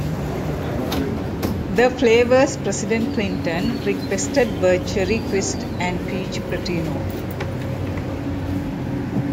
The flavors President Clinton requested were Cherry Quist and Peachy Paterno.